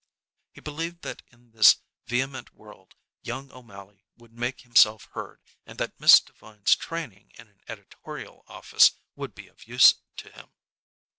He believed that in this vehement world young O'Mally would make himself heard and that Miss Devine's training in an editorial office would be of use to him.